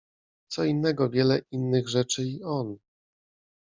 Co innego wiele innych rzeczy i on.